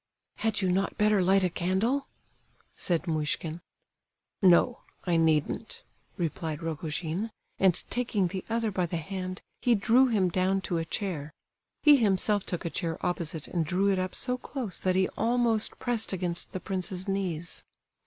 "Had you not better light a candle?" said Muishkin. "No, I needn't," replied Rogojin, and taking the other by the hand he drew him down to a chair. He himself took a chair opposite and drew it up so close that he almost pressed against the prince's knees.